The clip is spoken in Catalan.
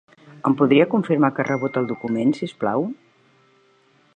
Em podria confirmar que ha rebut el document, si us plau?